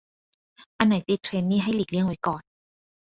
อันไหนติดเทรนด์นี่ให้หลีกเลี่ยงไว้ก่อน